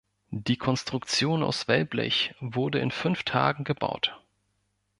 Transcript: Die Konstruktion aus Wellblech wurde in fünf Tagen gebaut.